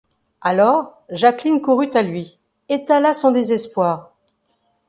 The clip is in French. Alors, Jacqueline courut à lui, étala son désespoir.